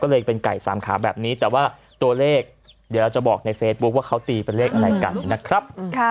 ก็เลยเป็นไก่สามขาแบบนี้แต่ว่าตัวเลขเดี๋ยวเราจะบอกในเฟซบุ๊คว่าเขาตีเป็นเลขอะไรกันนะครับ